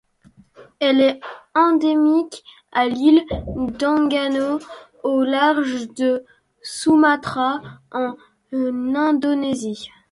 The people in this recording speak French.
Elle est endémique à l'île d'Enggano au large de Sumatra en Indonésie.